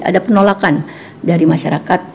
ada penolakan dari masyarakat